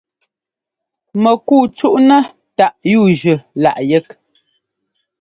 Mɛkúu cúꞌnɛ́ táꞌ yúujʉ́ láꞌ yɛ́k.